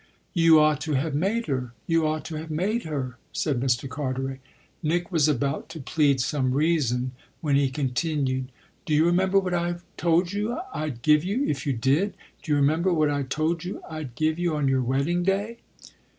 "You ought to have made her you ought to have made her," said Mr. Carteret. Nick was about to plead some reason when he continued: "Do you remember what I told you I'd give you if you did? Do you remember what I told you I'd give you on your wedding day?"